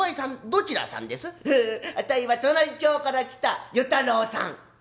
「あたいは隣町から来た与太郎さん」。